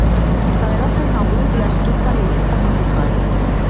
També va ser un agut i astut periodista musical.